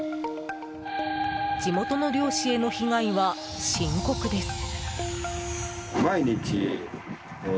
地元の漁師への被害は深刻です。